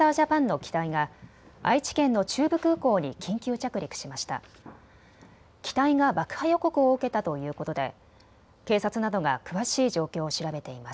機体が爆破予告を受けたということで警察などが詳しい状況を調べています。